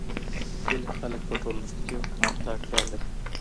ولي خلګ په ټولنه کي حکومت ته اړتيا لري؟